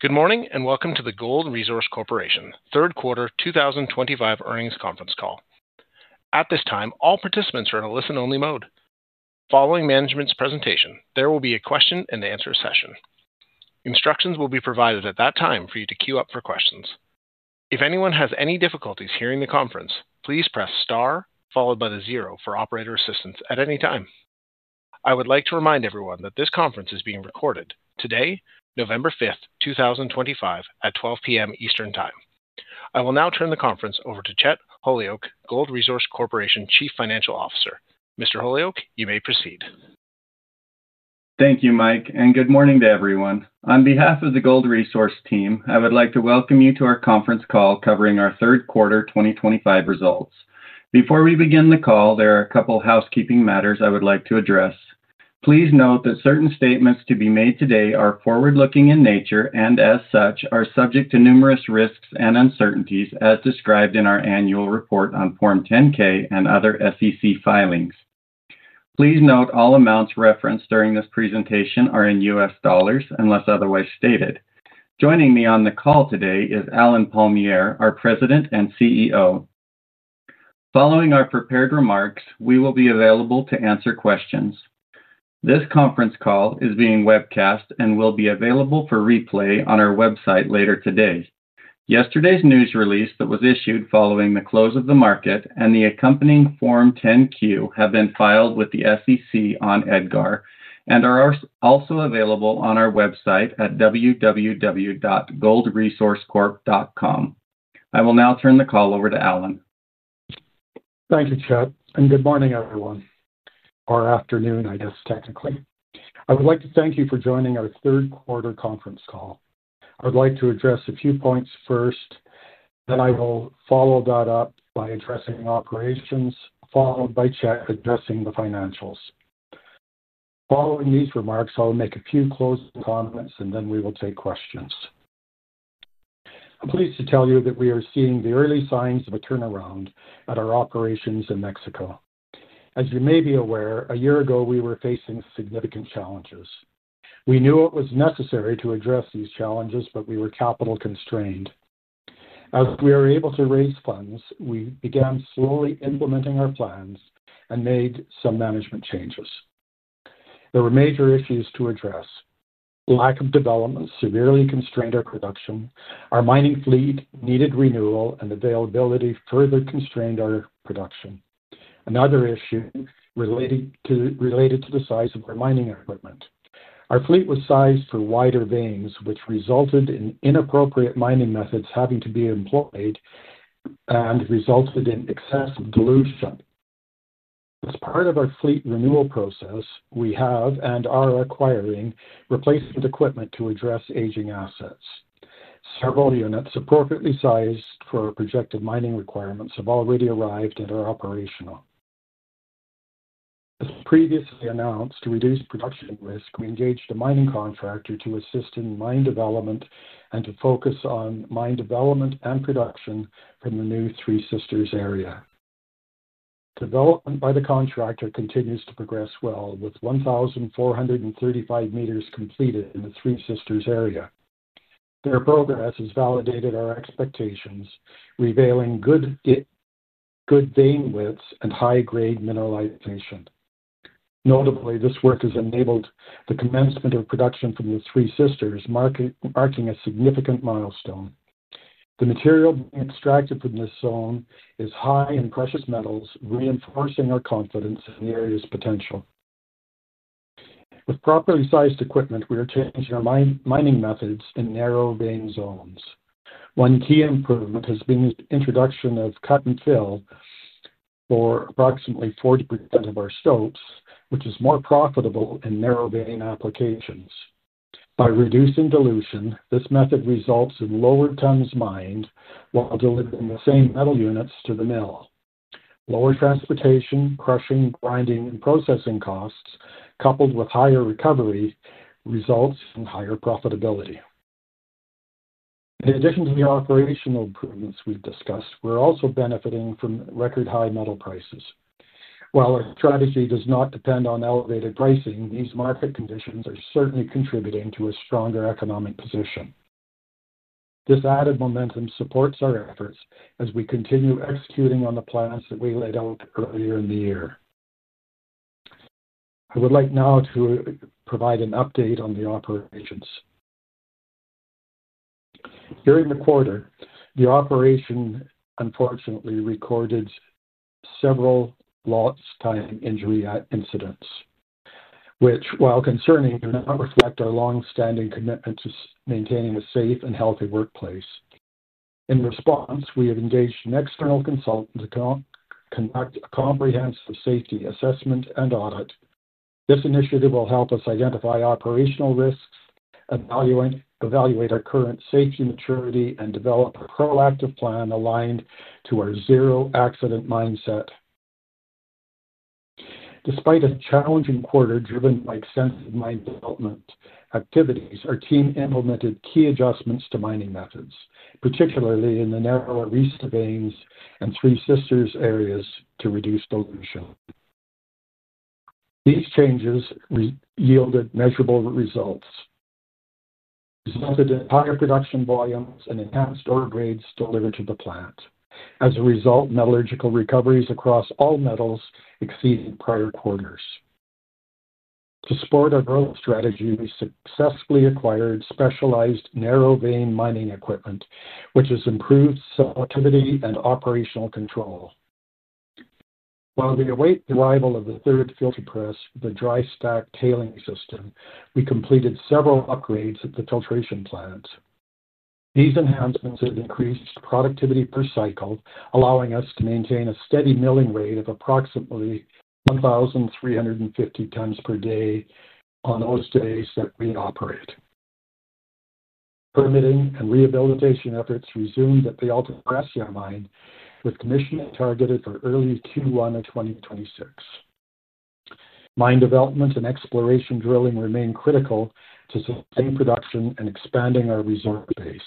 Good morning and welcome to the Gold Resource Corporation third quarter 2025 earnings conference call. At this time, all participants are in a listen-only mode. Following management's presentation, there will be a question-and-answer session. Instructions will be provided at that time for you to queue up for questions. If anyone has any difficulties hearing the conference, please press star followed by the zero for operator assistance at any time. I would like to remind everyone that this conference is being recorded today, November 5th, 2025, at 12:00 P.M. Eastern Time. I will now turn the conference over to Chet Holyoak, Gold Resource Corporation Chief Financial Officer. Mr. Holyoak, you may proceed. Thank you, Mike, and good morning to everyone. On behalf of the Gold Resource team, I would like to welcome you to our conference call covering our third quarter 2025 results. Before we begin the call, there are a couple of housekeeping matters I would like to address. Please note that certain statements to be made today are forward-looking in nature and, as such, are subject to numerous risks and uncertainties as described in our annual report on Form 10-K and other SEC filings. Please note all amounts referenced during this presentation are in U.S. dollars unless otherwise stated. Joining me on the call today is Allen Palmiere, our President and CEO. Following our prepared remarks, we will be available to answer questions. This conference call is being webcast and will be available for replay on our website later today. Yesterday's news release that was issued following the close of the market and the accompanying Form 10-Q have been filed with the SEC on EDGAR and are also available on our website at www.GoldResourceCorp.com. I will now turn the call over to Allen. Thank you, Chet, and good morning, everyone, or afternoon, I guess, technically. I would like to thank you for joining our third quarter conference call. I would like to address a few points first. Then I will follow that up by addressing operations, followed by Chet addressing the financials. Following these remarks, I'll make a few closing comments, and then we will take questions. I'm pleased to tell you that we are seeing the early signs of a turnaround at our operations in Mexico. As you may be aware, a year ago, we were facing significant challenges. We knew it was necessary to address these challenges, but we were capital constrained. As we were able to raise funds, we began slowly implementing our plans and made some management changes. There were major issues to address. Lack of development severely constrained our production. Our mining fleet needed renewal, and availability further constrained our production. Another issue related to the size of our mining equipment. Our fleet was sized for wider veins, which resulted in inappropriate mining methods having to be employed. It resulted in excessive dilution. As part of our fleet renewal process, we have and are acquiring replacement equipment to address aging assets. Several units appropriately sized for our projected mining requirements have already arrived and are operational. As previously announced to reduce production risk, we engaged a mining contractor to assist in mine development and to focus on mine development and production from the new Three Sisters area. Development by the contractor continues to progress well, with 1,435 meters completed in the Three Sisters area. Their progress has validated our expectations, revealing good vein widths and high-grade mineralization. Notably, this work has enabled the commencement of production from the Three Sisters, marking a significant milestone. The material being extracted from this zone is high in precious metals, reinforcing our confidence in the area's potential. With properly sized equipment, we are changing our mining methods in narrow vein zones. One key improvement has been the introduction of cut-and-fill for approximately 40% of our stopes, which is more profitable in narrow vein applications. By reducing dilution, this method results in lower tons mined while delivering the same metal units to the mill. Lower transportation, crushing, grinding, and processing costs, coupled with higher recovery, results in higher profitability. In addition to the operational improvements we've discussed, we're also benefiting from record-high metal prices. While our strategy does not depend on elevated pricing, these market conditions are certainly contributing to a stronger economic position. This added momentum supports our efforts as we continue executing on the plans that we laid out earlier in the year. I would like now to provide an update on the operations. During the quarter, the operation unfortunately recorded several lost-time injury incidents, which, while concerning, do not reflect our longstanding commitment to maintaining a safe and healthy workplace. In response, we have engaged an external consultant to conduct a comprehensive safety assessment and audit. This initiative will help us identify operational risks, evaluate our current safety maturity, and develop a proactive plan aligned to our zero-accident mindset. Despite a challenging quarter driven by extensive mine development activities, our team implemented key adjustments to mining methods, particularly in the narrower reserve veins and Three Sisters areas to reduce dilution. These changes yielded measurable results, resulted in higher production volumes and enhanced ore grades delivered to the plant. As a result, metallurgical recoveries across all metals exceeded prior quarters. To support our growth strategy, we successfully acquired specialized narrow-vein mining equipment, which has improved selectivity and operational control. While we await the arrival of the third filter press, the dry stack tailing system, we completed several upgrades at the filtration plant. These enhancements have increased productivity per cycle, allowing us to maintain a steady milling rate of approximately 1,350 tons per day on those days that we operate. Permitting and rehabilitation efforts resumed at the Alta Gracia mine, with commissioning targeted for early Q1 of 2026. Mine development and exploration drilling remain critical to sustained production and expanding our resource base.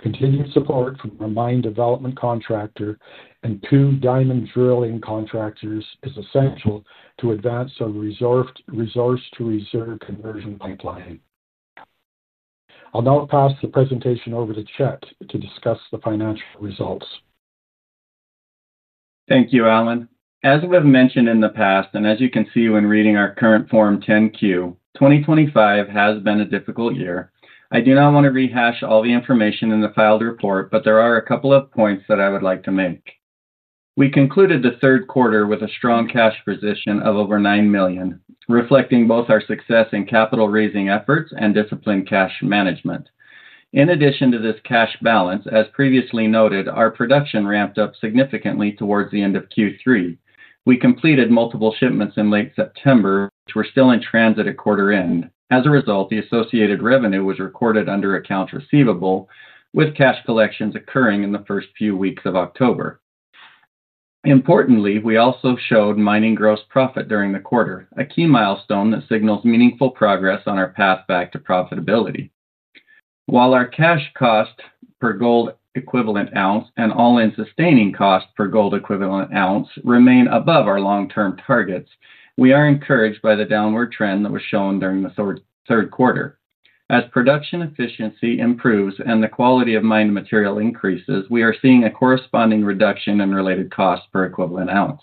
Continued support from our mine development contractor and two diamond drilling contractors is essential to advance our resource-to-reserve conversion pipeline. I'll now pass the presentation over to Chet to discuss the financial results. Thank you, Allen. As we have mentioned in the past, and as you can see when reading our current Form 10-Q, 2025 has been a difficult year. I do not want to rehash all the information in the filed report, but there are a couple of points that I would like to make. We concluded the third quarter with a strong cash position of over $9 million, reflecting both our success in capital raising efforts and disciplined cash management. In addition to this cash balance, as previously noted, our production ramped up significantly towards the end of Q3. We completed multiple shipments in late September, which were still in transit at quarter end. As a result, the associated revenue was recorded under accounts receivable, with cash collections occurring in the first few weeks of October. Importantly, we also showed mining gross profit during the quarter, a key milestone that signals meaningful progress on our path back to profitability. While our cash cost per gold equivalent ounce and all-in sustaining cost per gold equivalent ounce remain above our long-term targets, we are encouraged by the downward trend that was shown during the third quarter. As production efficiency improves and the quality of mined material increases, we are seeing a corresponding reduction in related cost per equivalent ounce.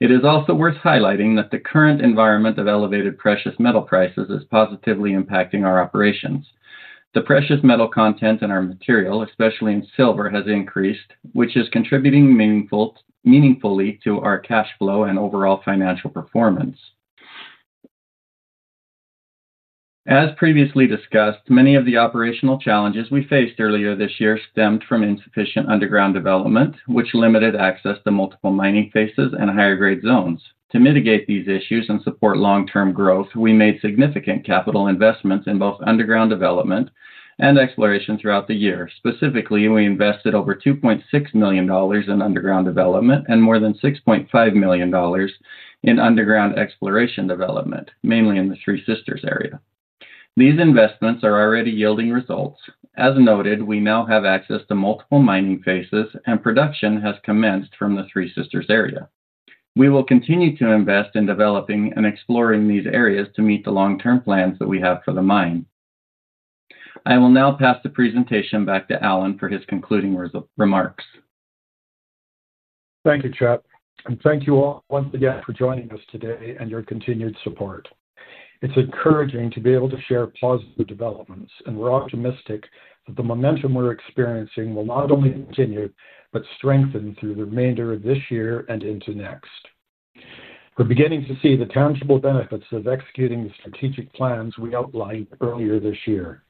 It is also worth highlighting that the current environment of elevated precious metal prices is positively impacting our operations. The precious metal content in our material, especially in silver, has increased, which is contributing meaningfully to our cash flow and overall financial performance. As previously discussed, many of the operational challenges we faced earlier this year stemmed from insufficient underground development, which limited access to multiple mining phases and higher-grade zones. To mitigate these issues and support long-term growth, we made significant capital investments in both underground development and exploration throughout the year. Specifically, we invested over $2.6 million in underground development and more than $6.5 million in underground exploration development, mainly in the Three Sisters area. These investments are already yielding results. As noted, we now have access to multiple mining phases, and production has commenced from the Three Sisters area. We will continue to invest in developing and exploring these areas to meet the long-term plans that we have for the mine. I will now pass the presentation back to Allen for his concluding remarks. Thank you, Chet. Thank you all once again for joining us today and your continued support. It is encouraging to be able to share positive developments, and we are optimistic that the momentum we are experiencing will not only continue but strengthen through the remainder of this year and into next. We are beginning to see the tangible benefits of executing the strategic plans we outlined earlier this year.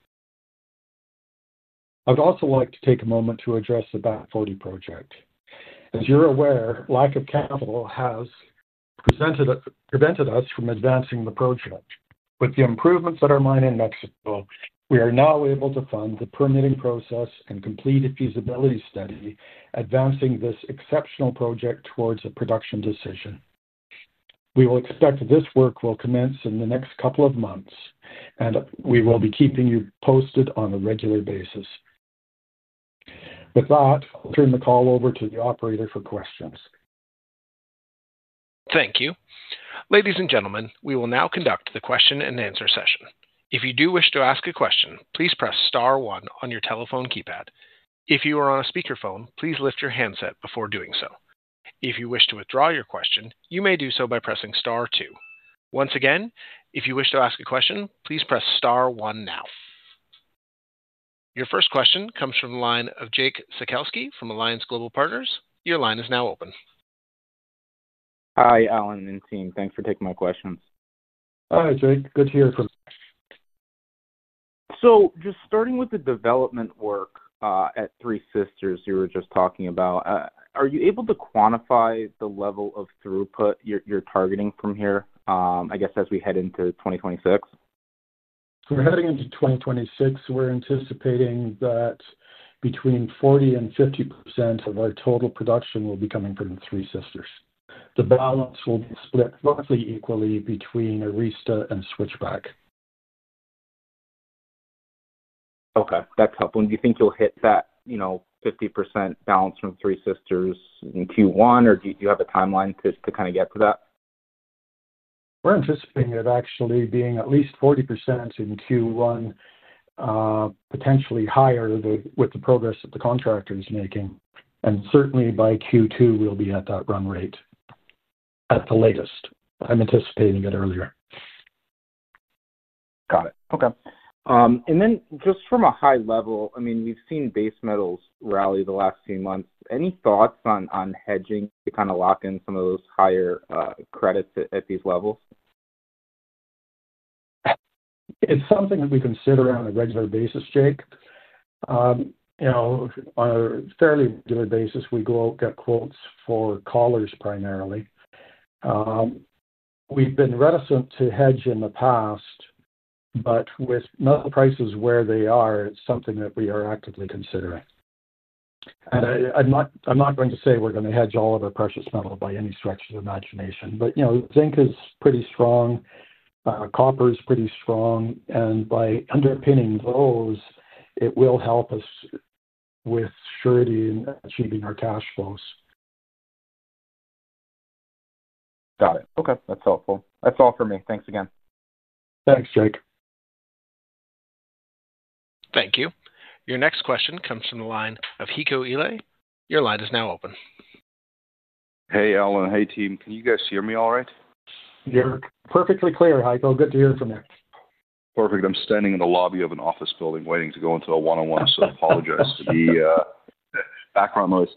I would also like to take a moment to address the Bat 40 project. As you are aware, lack of capital has prevented us from advancing the project. With the improvements at our mine in Mexico, we are now able to fund the permitting process and complete a feasibility study, advancing this exceptional project towards a production decision. We expect this work will commence in the next couple of months, and we will be keeping you posted on a regular basis. With that, I'll turn the call over to the operator for questions. Thank you. Ladies and gentlemen, we will now conduct the question-and-answer session. If you do wish to ask a question, please press Star one on your telephone keypad. If you are on a speakerphone, please lift your handset before doing so. If you wish to withdraw your question, you may do so by pressing Star two. Once again, if you wish to ask a question, please press Star one now. Your first question comes from the line of Jake Sekelsky from Alliance Global Partners. Your line is now open. Hi, Allen and team. Thanks for taking my questions. Hi, Jake. Good to hear from you. Just starting with the development work at Three Sisters you were just talking about, are you able to quantify the level of throughput you're targeting from here, I guess, as we head into 2026? We're heading into 2026. We're anticipating that between 40% and 50% of our total production will be coming from Three Sisters. The balance will be split roughly equally between Arista and Switchback. Okay. That's helpful. Do you think you'll hit that 50% balance from Three Sisters in Q1, or do you have a timeline to kind of get to that? We're anticipating it actually being at least 40% in Q1. Potentially higher with the progress that the contractor is making. Certainly, by Q2, we'll be at that run rate. At the latest. I'm anticipating it earlier. Got it. Okay. I mean, we've seen base metals rally the last few months. Any thoughts on hedging to kind of lock in some of those higher credits at these levels? It's something that we consider on a regular basis, Jake. On a fairly regular basis, we go out and get quotes for collars primarily. We've been reticent to hedge in the past. With metal prices where they are, it's something that we are actively considering. I'm not going to say we're going to hedge all of our precious metal by any stretch of the imagination. Zinc is pretty strong. Copper is pretty strong. By underpinning those, it will help us with surety in achieving our cash flows. Got it. Okay. That's helpful. That's all for me. Thanks again. Thanks, Jake. Thank you. Your next question comes from the line of Heiko Ihle. Your line is now open. Hey, Allen. Hey, team. Can you guys hear me all right? You're perfectly clear, Heiko. Good to hear from you. Perfect. I'm standing in the lobby of an office building waiting to go into a one-on-one, so I apologize for the background noise.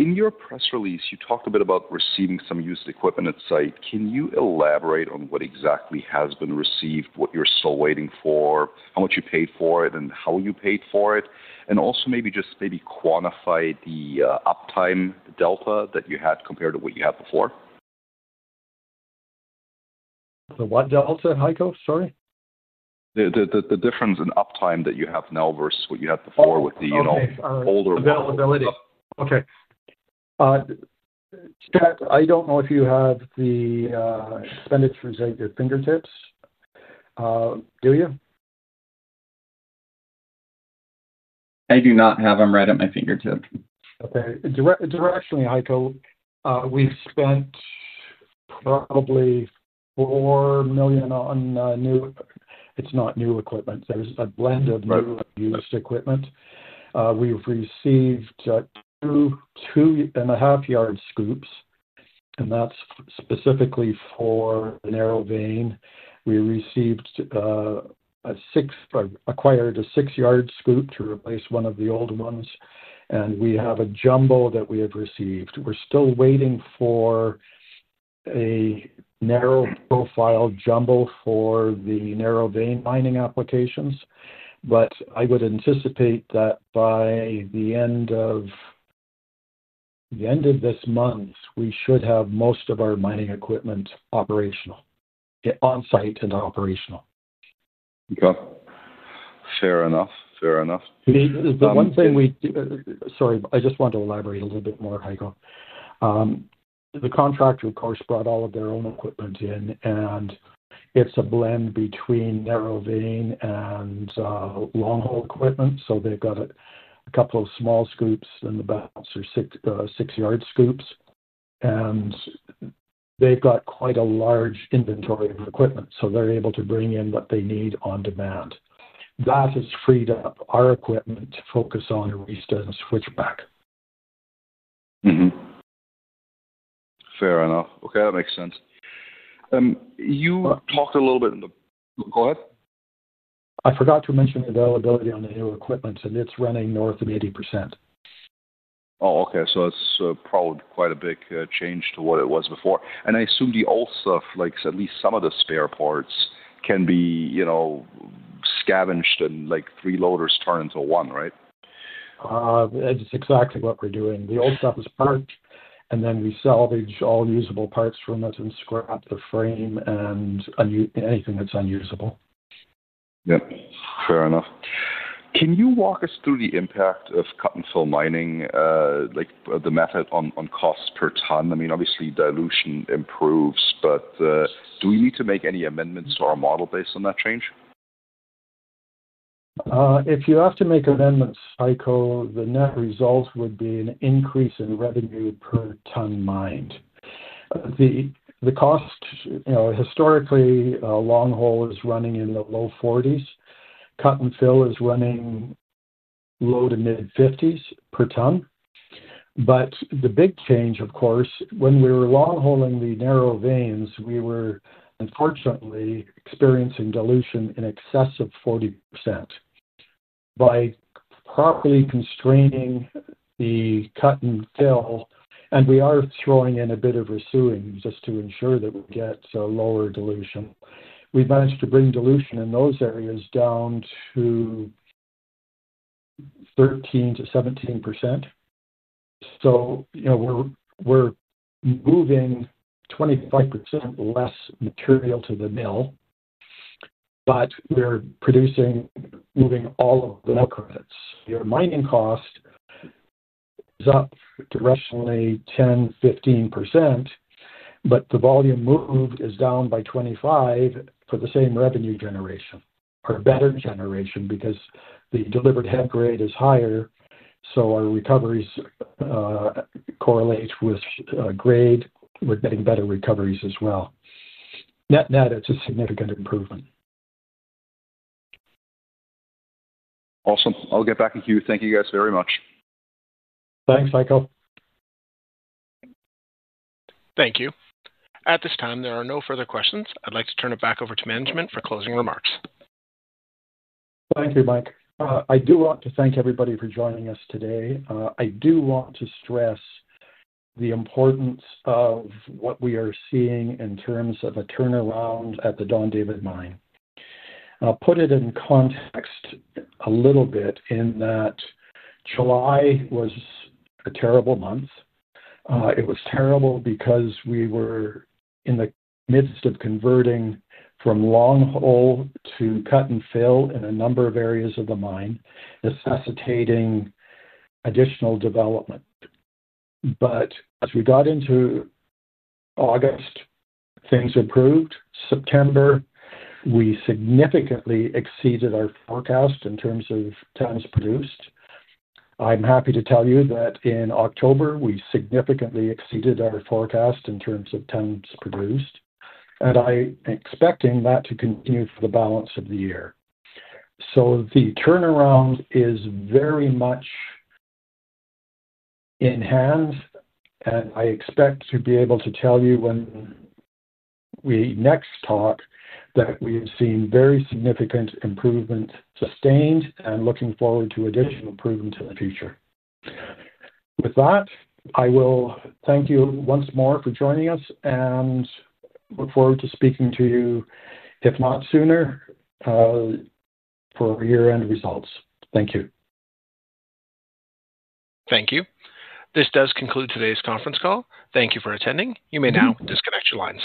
In your press release, you talked a bit about receiving some used equipment at site. Can you elaborate on what exactly has been received, what you're still waiting for, how much you paid for it, and how you paid for it? Also maybe just maybe quantify the uptime, the delta that you had compared to what you had before? The what delta, Heiko? Sorry. The difference in uptime that you have now versus what you had before with the older model. Okay. I don't know if you have the expenditures at your fingertips. Do you? I do not have them right at my fingertips. Okay. Directionally, Heiko, we've spent probably $4 million on new—it's not new equipment. There's a blend of new and used equipment. We've received two and a half yard scoops, and that's specifically for the narrow vein. We received a six—acquired a six-yard scoop to replace one of the old ones. And we have a jumbo that we have received. We're still waiting for a narrow-profile jumbo for the narrow-vein mining applications. I would anticipate that by the end of this month, we should have most of our mining equipment operational, on-site and operational. Okay. Fair enough. Fair enough. The one thing we—sorry, I just want to elaborate a little bit more, Heiko. The contractor, of course, brought all of their own equipment in, and it's a blend between narrow-vein and long-hole equipment. They have got a couple of small scoops in the batch or six-yard scoops. They have quite a large inventory of equipment, so they are able to bring in what they need on demand. That has freed up our equipment to focus on Arista and Switchback. Fair enough. Okay. That makes sense. You talked a little bit—go ahead. I forgot to mention the availability on the new equipment, and it's running north of 80%. Oh, okay. It's probably quite a big change to what it was before. I assume the old stuff, at least some of the spare parts, can be scavenged and three loaders turn into one, right? That's exactly what we're doing. The old stuff is purchased, and then we salvage all usable parts from it and scrap the frame and anything that's unusable. Yeah. Fair enough. Can you walk us through the impact of cut-and-fill mining, the method, on cost per ton? I mean, obviously, dilution improves, but do we need to make any amendments to our model based on that change? If you have to make amendments, Heiko, the net result would be an increase in revenue per ton mined. The cost. Historically, long-hole is running in the low 40s. Cut-and-fill is running low to mid-50s per ton. The big change, of course, when we were long-hauling the narrow veins, we were unfortunately experiencing dilution in excess of 40%. By properly constraining the cut-and-fill, and we are throwing in a bit of rescuing just to ensure that we get lower dilution, we have managed to bring dilution in those areas down to 13-17%. We are moving 25% less material to the mill, but we are producing, moving all of the mill credits. Your mining cost is up directionally 10-15%, but the volume moved is down by 25% for the same revenue generation or better generation because the delivered head grade is higher. Our recoveries. Correlate with grade. We're getting better recoveries as well. Net-net, it's a significant improvement. Awesome. I'll get back to you. Thank you guys very much. Thanks, Heiko. Thank you. At this time, there are no further questions. I'd like to turn it back over to management for closing remarks. Thank you, Mike. I do want to thank everybody for joining us today. I do want to stress the importance of what we are seeing in terms of a turnaround at the Don David Mine. I'll put it in context a little bit in that July was a terrible month. It was terrible because we were in the midst of converting from long-hole to cut-and-fill in a number of areas of the mine, necessitating additional development. As we got into August, things improved. September, we significantly exceeded our forecast in terms of tons produced. I'm happy to tell you that in October, we significantly exceeded our forecast in terms of tons produced. I'm expecting that to continue for the balance of the year. The turnaround is very much in hand. I expect to be able to tell you when. We next talk that we have seen very significant improvements sustained and looking forward to additional improvement in the future. With that, I will thank you once more for joining us and look forward to speaking to you, if not sooner, for year-end results. Thank you. Thank you. This does conclude today's conference call. Thank you for attending. You may now disconnect your lines.